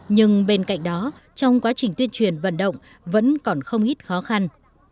nhưng bên cạnh đó trong quá trình tuyên truyền vận động vẫn còn không ít khó khăn